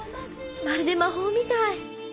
まるで魔法みたい。